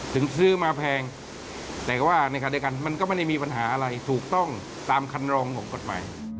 ถึงซื้อมาแพงแต่ก็ในคันเดียวกันมันก็ไม่ได้มีปัญหาอะไรถูกต้องตามคันรองของกฎหมาย